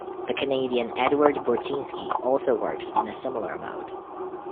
The Canadian Edward Burtynsky also works in a similar mode.